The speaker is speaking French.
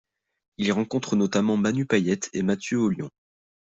Il y rencontre notamment Manu Payet et Mathieu Oullion.